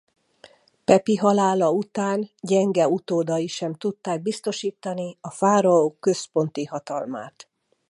Pepi halála után gyenge utódai sem tudták biztosítani a fáraó központi hatalmát.